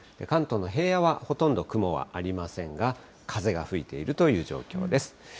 関東の平野はほとんど雲はありませんが、風が吹いているという状況です。